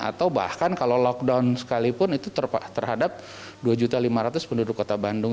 atau bahkan kalau lockdown sekalipun itu terhadap dua lima ratus penduduk kota bandung